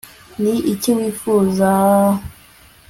ni iki wifuza